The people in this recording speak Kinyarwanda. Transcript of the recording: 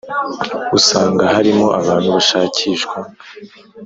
usanga harimo abantu bashakishwa